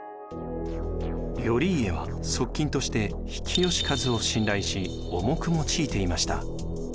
頼家は側近として比企能員を信頼し重く用いていました。